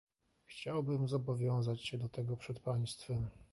Chciałbym zobowiązać się do tego przed państwem